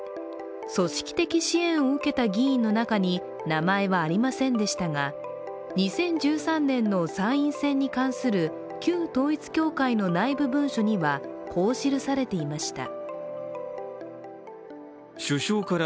組織的支援を受けた議員の中に名前はありませんでしたが２０１３年の参院選に関する旧統一教会の内部文書には、こう記されていました。